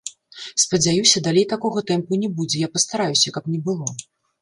Спадзяюся, далей такога тэмпу не будзе, я пастараюся, каб не было.